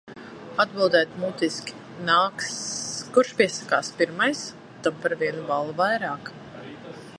Atbildēt mutiski nāks... Kurš piesakās pirmais, tam par vienu balli vairāk.